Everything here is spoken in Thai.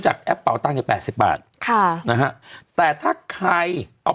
เป็นการกระตุ้นการไหลเวียนของเลือด